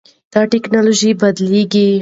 دا ټکنالوژي بدلېږي.